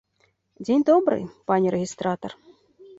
Дзень добры, пане рэгістратар!